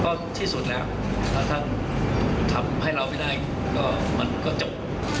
ก็ที่สุดแล้วถ้าท่านทำให้เราไม่ได้ก็มันก็จบ